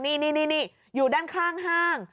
นี่อยู่ด้านข้างห้าง